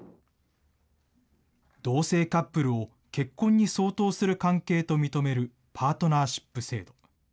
同性カップルを結婚に相当する関係と認めるパートナーシップ制度。